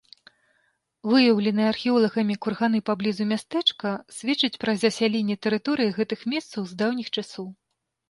Выяўленыя археолагамі курганы паблізу мястэчка сведчаць пра засяленне тэрыторыі гэтых месцаў з даўніх часоў.